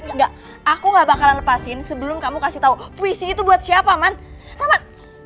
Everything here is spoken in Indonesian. enggak aku gak bakalan lepasin sebelum kamu kasih tau puisi itu buat siapa man